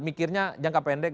mikirnya jangka pendek